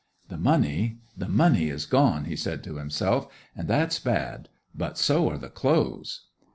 "The money, the money is gone," he said to himself, "and that's bad. But so are the clothes."